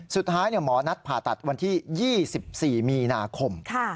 สุดท้ายหมอนัดผ่าตัดวันที่๒๔มีนาคม